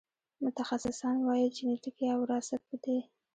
متخصصان وايي جنېتیک یا وراثت په دې